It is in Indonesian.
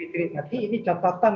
dan apakah itu